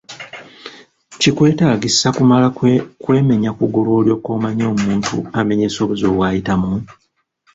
Kikwetaagisa kumala kwemenya kugulu olyoke omanye omuntu amenyese obuzibu bw'ayitamu?